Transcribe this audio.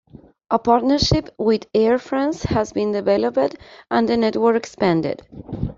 A partnership with Air France has been developed and the network expanded.